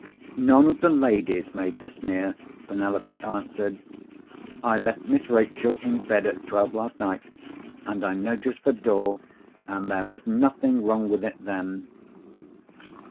"'None of the ladies made the smear,' Penelope answered. 'I left Miss Rachel in bed at twelve last night. And I noticed the door, and there was nothing wrong with it then.